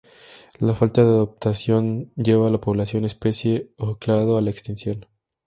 La falta de adaptación lleva a la población, especie o clado a la extinción.